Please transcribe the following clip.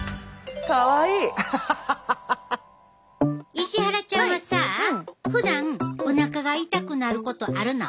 石原ちゃんはさふだんおなかが痛くなることあるの？